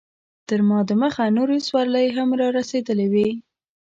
تر ما دمخه نورې سورلۍ هم رارسېدلې وې.